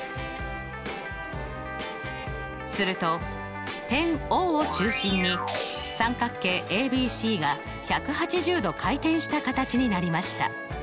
すると点Ｏを中心に三角形ＡＢＣが１８０度回転した形になりました。